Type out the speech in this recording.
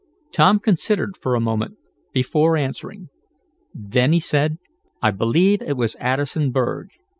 Tom considered for a moment, before answering. Then he said: "I believe it was Addison Berg.